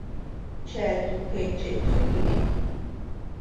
Cheatu géche tuʼu ñeʼe.